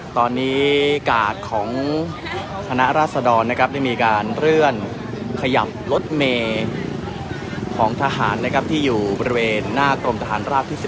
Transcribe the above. ตอนนี้กาดของคณะราษดรได้มีการเลื่อนขยับรถเมย์ของทหารนะครับที่อยู่บริเวณหน้ากรมทหารราบที่๓